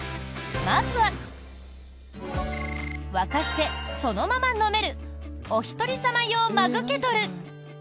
まずは沸かしてそのまま飲めるおひとりさま用マグケトル。